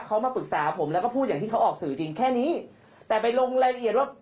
เขามาปรึกษาผมแล้วก็พูดอย่างที่เขาออกสื่อจริงแค่นี้